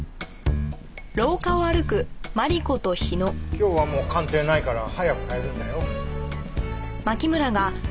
今日はもう鑑定ないから早く帰るんだよ。